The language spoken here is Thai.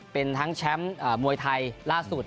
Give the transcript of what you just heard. เป็นทั้งแชมป์มวยไทยล่าสุด